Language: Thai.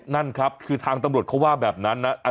นั่นครับคือทางตำรวจเขาว่าแบบนั้นนะ